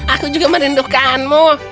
aku juga merindukanmu